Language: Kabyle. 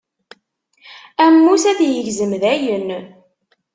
Ammus ad t-yegzem dayen.